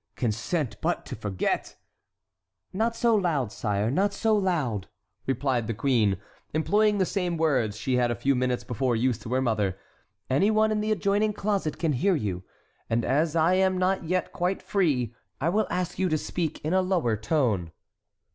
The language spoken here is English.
Consent but to forget"— "Not so loud, sire, not so loud!" replied the queen, employing the same words she had a few minutes before used to her mother; "any one in the adjoining closet can hear you. And as I am not yet quite free, I will ask you to speak in a lower tone."